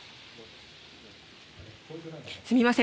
すみません